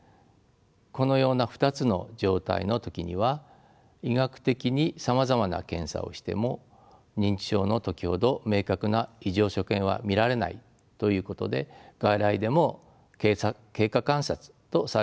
このような２つの状態の時には医学的にさまざまな検査をしても認知症の時ほど明確な異常所見は見られないということで外来でも経過観察とされることが多いです。